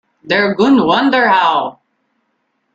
Der Gnade Wunder Heil!